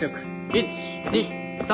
１・２・３。